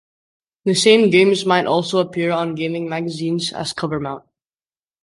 The same games might also appear on gaming magazines as covermount.